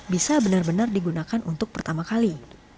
bisa benar benar digunakan untuk pertama kali